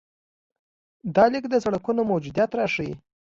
دا لیک د سړکونو موجودیت راښيي.